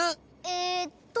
えっと。